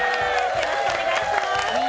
よろしくお願いします。